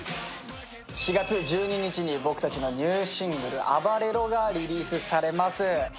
４月１２日に僕たちのニューシングル「ＡＢＡＲＥＲＯ」がリリースされます。